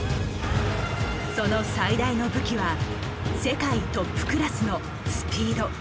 その最大の武器は世界トップクラスのスピード。